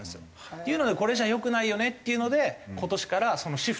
っていうのでこれじゃ良くないよねっていうので今年からそのシフトをなくした。